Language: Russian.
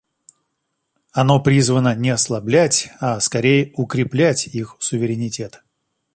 Оно призвано не ослаблять, а, скорее, укреплять их суверенитет.